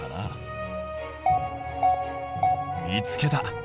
見つけた。